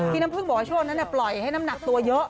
พี่น้ำพึ่งบอกว่าช่วงนั้นปล่อยให้น้ำหนักตัวเยอะ